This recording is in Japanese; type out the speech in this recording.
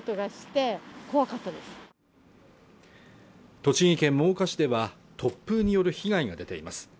栃木県真岡市では突風による被害が出ています